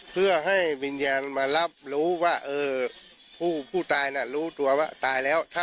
เพื่อให้วิญญาณมารับรู้ว่าผู้ตายน่ะรู้ตัวว่าตายแล้ว